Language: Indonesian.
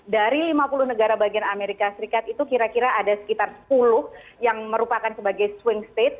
dari lima puluh negara bagian amerika serikat itu kira kira ada sekitar sepuluh yang merupakan sebagai swing state